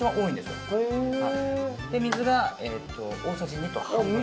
水が大さじ２と半分。